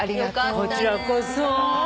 こちらこそ。